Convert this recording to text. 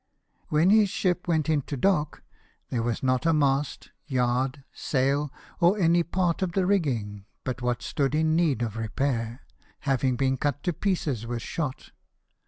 When his ship went into dock there was not a mast, yard, sail, or any part of the rigging, but what stood in need of repair, having been cut to pieces with shot.